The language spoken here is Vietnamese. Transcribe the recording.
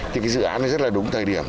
thì cái dự án này rất là đúng thời điểm